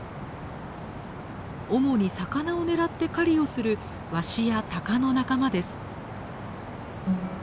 主に魚を狙って狩りをするワシやタカの仲間です。